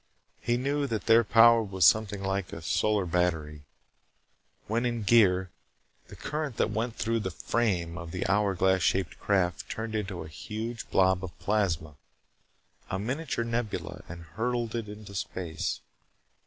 He knew that their power was something like a solar battery. When in gear, the current that went through the "frame" of the hour glass shaped craft turned it into a huge blob of plasma, a miniature nebula, and hurled it into space.